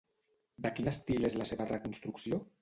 De quin estil és la seva reconstrucció?